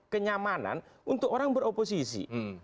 kenyamanan untuk orang beroposisi